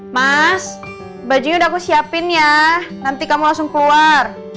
mas bajunya udah aku siapin ya nanti kamu langsung keluar